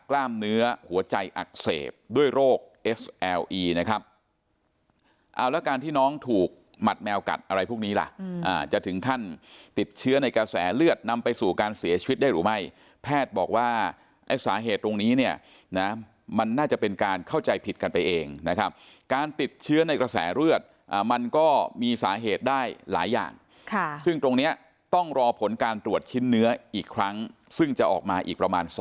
กล้ามเนื้อหัวใจอักเสบด้วยโรคเอสแอลอีนะครับเอาแล้วการที่น้องถูกหมัดแมวกัดอะไรพวกนี้ล่ะจะถึงขั้นติดเชื้อในกระแสเลือดนำไปสู่การเสียชีวิตได้หรือไม่แพทย์บอกว่าไอ้สาเหตุตรงนี้เนี่ยนะมันน่าจะเป็นการเข้าใจผิดกันไปเองนะครับการติดเชื้อในกระแสเลือดมันก็มีสาเหตุได้หลายอย่างซึ่งตรงเนี้ยต้องรอผลการตรวจชิ้นเนื้ออีกครั้งซึ่งจะออกมาอีกประมาณส